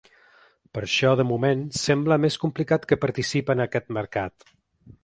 Per això de moment sembla més complicat que participe en aquest mercat.